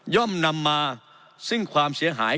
่อมนำมาซึ่งความเสียหาย